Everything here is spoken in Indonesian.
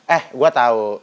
eh gua tau